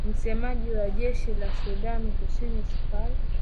msemaji wa jeshi la sudan kusini spla